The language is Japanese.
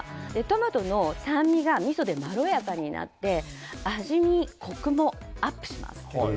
トマトの酸味がみそでまろやかになって味にコクもアップします。